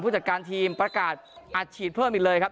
จัดการทีมประกาศอัดฉีดเพิ่มอีกเลยครับ